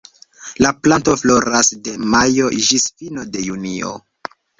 La planto floras de majo ĝis fino de junio.